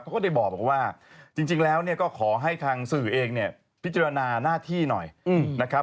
เขาก็ได้บอกว่าว่าจริงแล้วก็ขอให้ทางสื่อเองพิจารณาหน้าที่หน่อยนะครับ